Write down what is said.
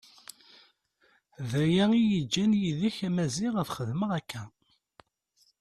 D aya iyi-iǧǧan a Maziɣ ad xedmeɣ yid-k akka.